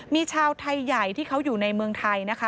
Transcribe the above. มีชาวไทยใหญ่ที่เขาอยู่ในเมืองไทยนะคะ